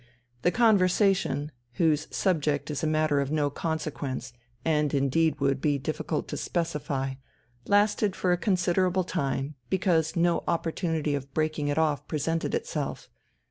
The conversation, whose subject is a matter of no consequence and indeed would be difficult to specify, lasted for a considerable time because no opportunity of breaking it off presented itself.